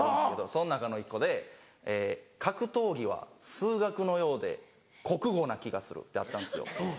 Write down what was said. その中の１個で「格闘技は数学のようで国語な気がする」ってあったんですよ。